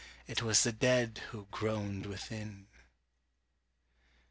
It was the dead who groaned within.